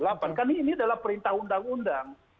karena ini adalah perintah undang undang